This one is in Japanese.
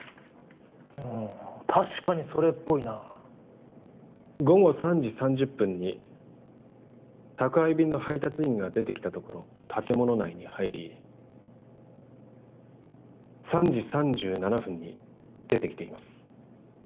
確かにそれっぽいな午後３時３０分に宅配便の配達員が出てきたところ建物内に入り３時３７分に出てきています